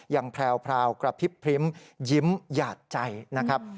แพรวกระพริบพริ้มยิ้มหยาดใจนะครับ